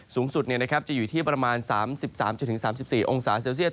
สูงสุดจะอยู่ที่ประมาณ๓๓๔องศาเซลเซียต